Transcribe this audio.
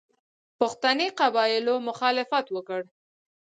پښتني قبایلو مخالفت وکړ.